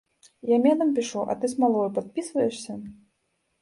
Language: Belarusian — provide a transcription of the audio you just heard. Я мёдам пішу, а ты смалою падпісваешся?